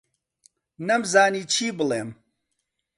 نەمزانی چی بڵێم.